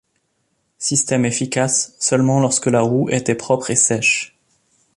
Système efficace seulement lorsque la roue était propre et sèche.